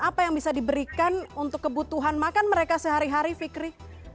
apa yang bisa diberikan untuk kebutuhan makan mereka sehari hari fikri